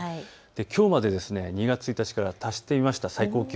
きょうまで２月１日から足してみました。